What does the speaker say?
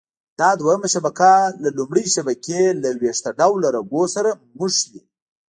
دا دویمه شبکه له لومړۍ شبکې له ویښته ډوله رګونو سره نښلي.